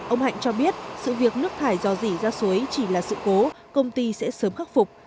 ông hạnh cho biết sự việc nước thải dò dỉ ra suối chỉ là sự cố công ty sẽ sớm khắc phục